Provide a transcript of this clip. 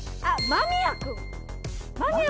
間宮君。